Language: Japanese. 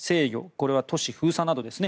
これは都市封鎖などですね。